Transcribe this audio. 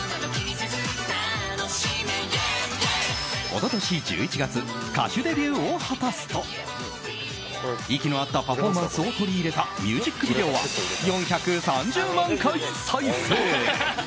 一昨年１１月歌手デビューを果たすと息の合ったパフォーマンスを取り入れたミュージックビデオは４３０万回再生。